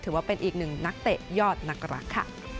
ถือว่าเป็นอีกหนึ่งนักเตะยอดนักรักค่ะ